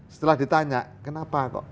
setelah ditanya kenapa kok